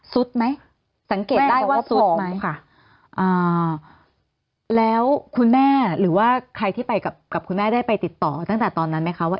สุดไหมสังเกตได้ว่าสุดไหมค่ะอ่าแล้วคุณแม่หรือว่าใครที่ไปกับกับคุณแม่ได้ไปติดต่อตั้งแต่ตอนนั้นไหมคะว่า